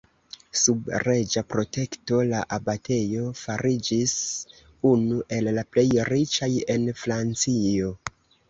Sub reĝa protekto, la abatejo fariĝis unu el la plej riĉaj en Francio.